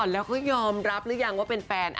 แล้วเขายอมรับหรือยังว่าเป็นแฟน